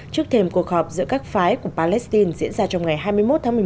trước thêm cuộc họp giữa các phái của palestine diễn ra trong ngày hai mươi một tháng một mươi một